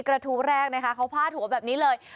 กระทู้แรกนะคะเขาพาดหัวแบบนี้เลย